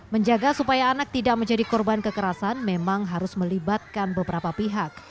menjaga supaya anak tidak menjadi korban kekerasan memang harus melibatkan beberapa pihak